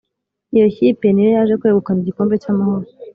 iyo kipe niyo yaje kwegukana igikombe cy’amahoro